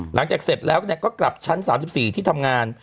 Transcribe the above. เสร็จแล้วก็กลับชั้น๓๔ที่ทำงาน